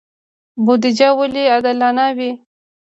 بودجه ولې عادلانه وي؟